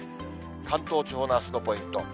関東地方のあすのポイント。